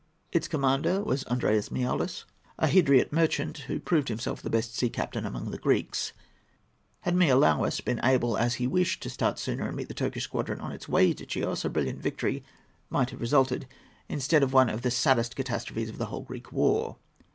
Its commander was Andreas Miaoulis, a Hydriot merchant, who proved himself the best sea captain among the Greeks. Had Miaoulis been able, as he wished, to start sooner and meet the Turkish squadron on its way to Chios, a brilliant victory might have resulted, instead of one of the saddest catastrophes in the whole Greek war.